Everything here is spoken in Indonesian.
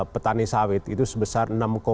petani sawit itu sebesar